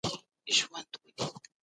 چېري د اوبو د سرچینو سم مدیریت کیږي؟